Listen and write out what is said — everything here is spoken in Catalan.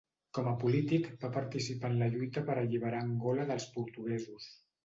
Com a polític, va participar en la lluita per alliberar Angola dels portuguesos.